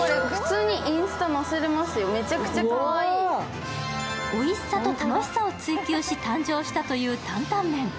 これ、普通にインスタ載せれますよ、めちゃくちゃかわいいおいしさと楽しさを追求し、誕生したという担々麺。